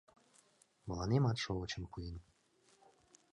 Мыланемат шовычым пуэн.